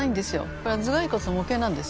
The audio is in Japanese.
これは頭蓋骨の模型なんです。